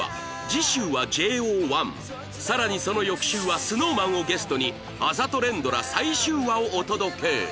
次週は ＪＯ１ 更に翌週は ＳｎｏｗＭａｎ をゲストにあざと連ドラ最終話をお届け